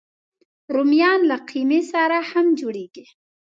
رومیان له قیمې سره هم جوړېږي